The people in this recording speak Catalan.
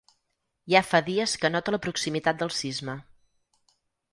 Ja fa dies que nota la proximitat del sisme.